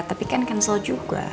tapi kan cancel juga